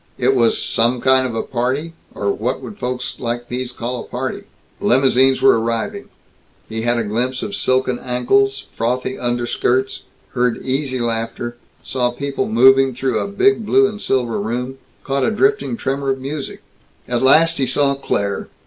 It was "some kind of a party? or what would folks like these call a party?" Limousines were arriving; he had a glimpse of silken ankles, frothy underskirts; heard easy laughter; saw people moving through a big blue and silver room; caught a drifting tremor of music. At last he saw Claire.